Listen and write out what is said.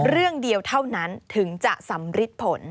เรื่องเดียวเท่านั้นถึงจะสำริดผล